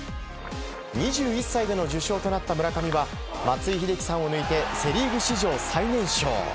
２１歳での受賞となった村上は松井秀喜さんを抜いてセ・リーグ史上最年少。